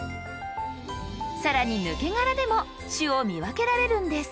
更にぬけ殻でも種を見分けられるんです。